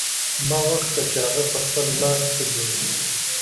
ما وکتل چې هغه په خپل لاس څه جوړوي